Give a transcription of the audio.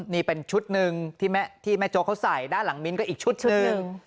นี่เป็นชุดหนึ่งที่แม่โจ๊กเขาใส่ด้านหลังมิ้นท์ก็อีกชุดหนึ่ง